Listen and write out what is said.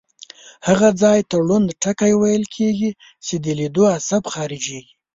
هغه ځای ته ړوند ټکی ویل کیږي چې لیدلو عصب خارجیږي.